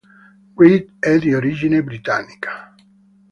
Reed è di origine britannica.